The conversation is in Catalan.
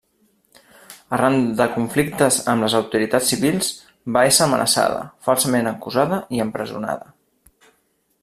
Arran de conflictes amb les autoritats civils, va ésser amenaçada, falsament acusada i empresonada.